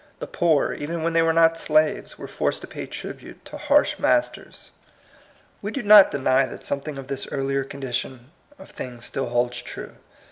The poor, even when they were not slaves, were forced to pay tribute to harsh masters. We do not deny that something of this earlier condition of things still holds true.